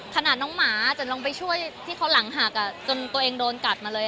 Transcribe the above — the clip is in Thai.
น้องหมาจะลงไปช่วยที่เขาหลังหักจนตัวเองโดนกัดมาเลย